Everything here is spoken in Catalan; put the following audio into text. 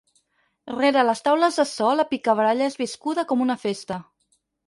Rere les taules de so la picabaralla és viscuda com una festa.